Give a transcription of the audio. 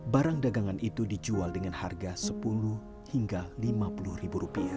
barang dagangan itu dijual dengan harga sepuluh hingga lima puluh ribu rupiah